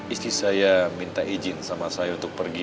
istri saya minta izin sama saya untuk pergi